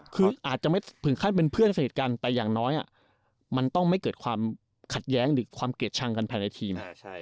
คืออาจจะไม่ถึงขั้นเป็นเพื่อนสนิทกันแต่อย่างน้อยมันต้องไม่เกิดความขัดแย้งหรือความเกลียดชังกันภายในทีม